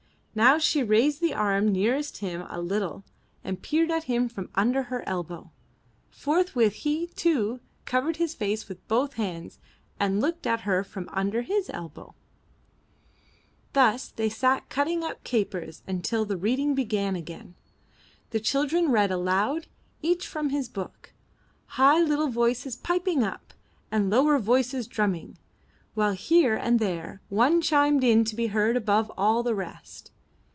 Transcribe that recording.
Now she raised the arm nearest him a little and 368 IN THE NURSERY peered at him from under her elbow; forthwith he, too, covered his face with both hands and looked at her from under his elbow. Thus they sat cutting up capers until the reading began again! The children read aloud, each from his book, high little voices piping up, and lower voices drumming, while here and there one chimed in to be heard above all the rest.